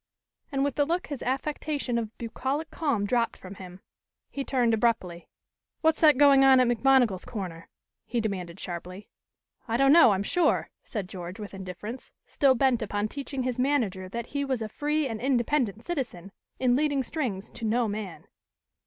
And with the look his affectation of bucolic calm dropped from him. He turned abruptly. "What's that going on at McMonigal's corner?" he demanded sharply. "I don't know, I am sure," said George, with indifference, still bent upon teaching his manager that he was a free and independent citizen, in leading strings to no man.